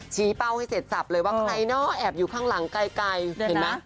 เป้าให้เสร็จสับเลยว่าใครเนาะแอบอยู่ข้างหลังไกลเห็นไหม